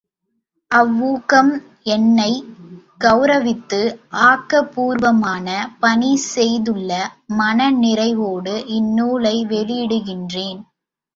அவ் ஊக்கம் என்னைக் கெளரவித்தது ஆக்க பூர்வமான பணி செய்துள்ள மன நிறைவோடு இந்நூலை வெளியிடுகின்றேன்.